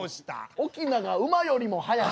おきなが馬よりも速い。